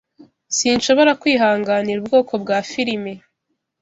Sinshobora kwihanganira ubwoko bwa firime.